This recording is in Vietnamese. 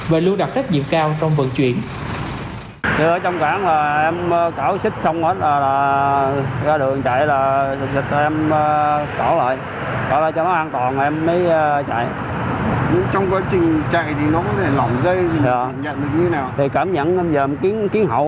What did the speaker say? và lưu đặt trách nhiệm cao trong vận chuyển